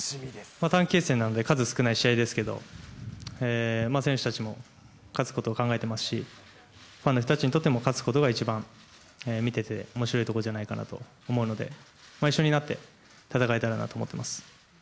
短期決戦なので、数少ない試合ですけど、選手たちも勝つことを考えていますし、ファンの人たちにとっても、勝つことが一番見てておもしろいところじゃないかなと思うので、一緒になって戦えたらなと思ってます。